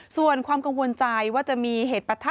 ส่วนความกังวลใจว่าจะมีเหตุประทะ